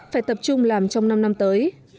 phải tập trung làm trong năm năm tới